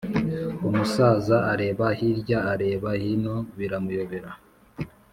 umusaza areba hirya areba hino biramuyobera